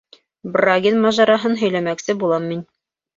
Брагин мажараһын һөйләмәксе булам мин...